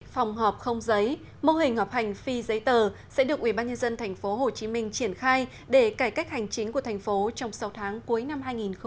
phòng họp không giấy mô hình học hành phi giấy tờ sẽ được ubnd tp hcm triển khai để cải cách hành chính của thành phố trong sáu tháng cuối năm hai nghìn hai mươi